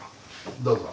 どうぞ。